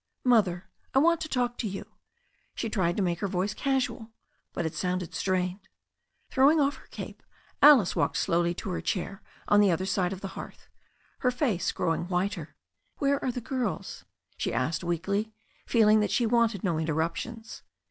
"Mother, I want to talk to you." She tried to make her voice casual, but it sounded strained. Throwing off her cape, Alice walked slowly to her chair on the other side of the hearth, her face growing whiter. "Where are the girls?" she asked weakly, feeling that she wanted no interruptions.